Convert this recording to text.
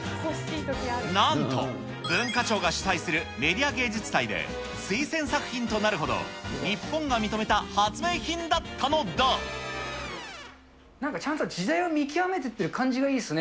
なんと、文化庁が主催するメディア芸術祭で推薦作品となるほど、日本が認なんかちゃんと時代を見極めありがとうございます。